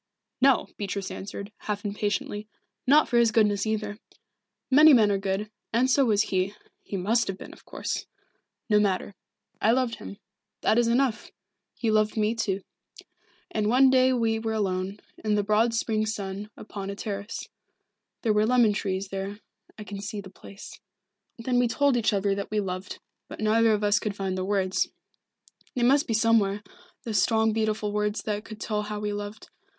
"No," Beatrice answered, half impatiently. "Not for his goodness either. Many men are good, and so was he he must have been, of course. No matter. I loved him. That is enough. He loved me, too. And one day we were alone, in the broad spring sun, upon a terrace. There were lemon trees there I can see the place. Then we told each other that we loved but neither of us could find the words they must be somewhere, those strong beautiful words that could tell how we loved.